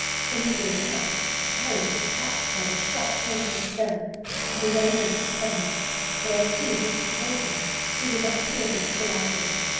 The negro's head was terribly cut by the sharp point of a stone, and his ankle was sprained; but, as he has just told me, he did not feel this till afterward.